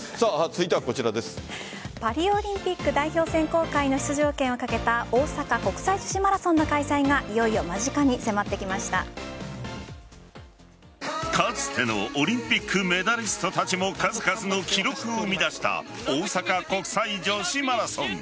パリオリンピック代表選考会の出場権をかけた大阪国際女子マラソンの開催がかつてのオリンピックメダリストたちも数々の記録を生み出した大阪国際女子マラソン。